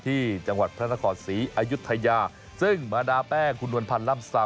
ที่จังหวัดพระนครศรีอายุทยาซึ่งมาดาแป้งคุณนวลพันธ์ล่ำซา